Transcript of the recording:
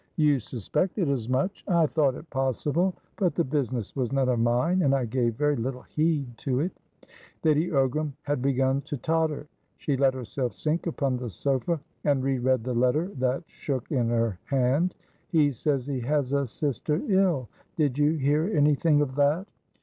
"You suspected as much." "I thought it possible. But the business was none of mine, and I gave very little heed to it." Lady Ogram had begun to totter. She let herself sink upon the sofa, and re read the letter that shook in her hand. "He says he has a sister ill. Did you hear anything of that?"